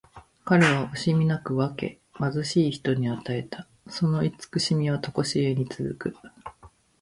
彼は惜しみなく分け、貧しい人に与えた。その慈しみはとこしえに続く。